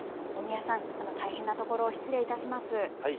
大宮さん、大変なところ失礼いたします。